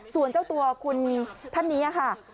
ส่วนเจ้าตัวคุณท่านนี้ค่ะ